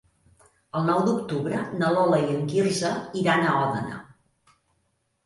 El nou d'octubre na Lola i en Quirze iran a Òdena.